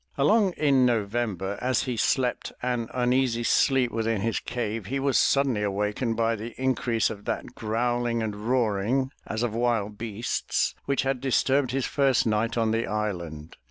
Along in November, as he slept an uneasy sleep within his cave, he was suddenly awakened by the increase of that growling and roaring as of wild beasts which had disturbed his first night on the island.